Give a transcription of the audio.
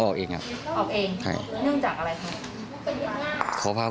เขาไล่ออกหรอ